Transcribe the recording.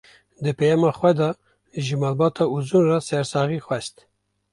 Di peyama xwe de ji malbata Uzun re sersaxî xwest